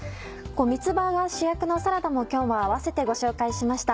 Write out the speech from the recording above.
三つ葉が主役のサラダも今日は併せてご紹介しました。